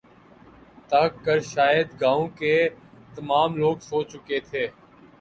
تھک کر شاید گاؤں کے تمام لوگ سو چکے تھے